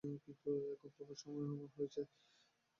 কিন্তু এখন তোমার যাওয়ার সময় হয়েছে।